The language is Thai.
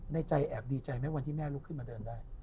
ในใจแอบดีใจไหมวันที่แม่ลุกขึ้นมาเดินได้